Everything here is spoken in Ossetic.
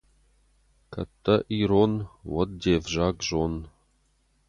Кӕд дӕ ирон, уӕд де ’взаг зон.